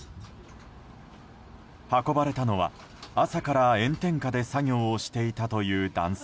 運ばれたのは、朝から炎天下で作業をしていたという男性。